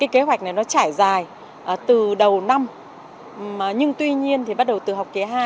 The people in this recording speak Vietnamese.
kế hoạch này trải dài từ đầu năm nhưng tuy nhiên bắt đầu từ học kế hai